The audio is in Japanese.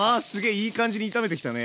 いい感じに炒めてきたね。